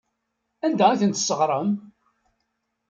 Anda ay ten-tesseɣrem?